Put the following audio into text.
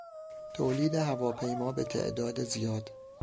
تولید هواپیما به تعداد زیاد